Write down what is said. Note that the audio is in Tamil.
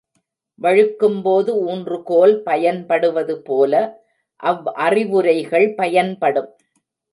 வழுக்கும்போது ஊன்றுகோல் பயன்படுவது போல அவ் அறிவுரைகள் பயன்படும்.